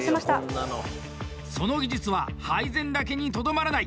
その技術は配膳だけにとどまらない！